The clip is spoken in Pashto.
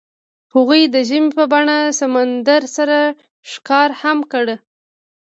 هغوی د ژمنې په بڼه سمندر سره ښکاره هم کړه.